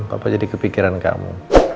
papa jadi kepikiran kamu